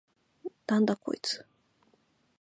なんだこいつ！？